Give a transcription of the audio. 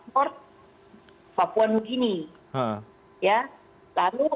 lalu terbukti juga sampai oleh menteri an bahwa tidak ada lintasan atas nama joko chandra